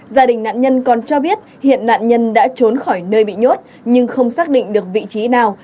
gia đình nạn nhân còn cho biết hiện nạn nhân đã trốn khỏi nơi bị nhốt nhưng không xác định được vị trí nào